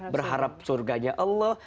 berharap surganya allah